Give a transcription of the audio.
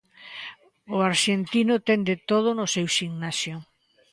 O arxentino ten de todo no seu ximnasio.